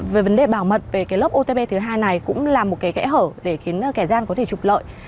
về vấn đề bảo mật về lớp otp thứ hai này cũng là một kẻ hở để khiến kẻ gian có thể chụp lợi